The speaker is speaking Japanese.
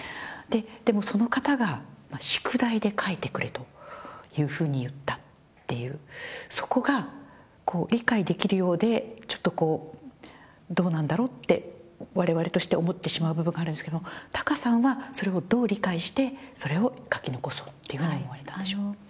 でも、その方が宿題で書いてくれというふうに言ったっていう、そこが理解できるようで、ちょっとどうなんだろうって、われわれとして思ってしまう部分があるんですけど、貴月さんはそれをどう理解して、それを書き残そうっていうふうに思われたんでしょう？